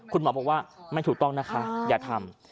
คุณหมอบอกว่าไม่ถูกต้องนะคะอย่าทำ